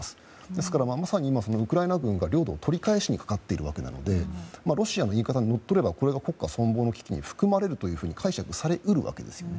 ですから、まさに今ウクライナ軍が領土を取り返しにかかっているわけなのでロシアの言い方にのっとればこれが国家存亡の危機に含まれると解釈され得るわけです。